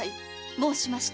申しました。